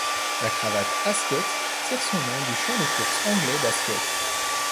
La cravate ascot tire son nom du champ de course anglais d’Ascot.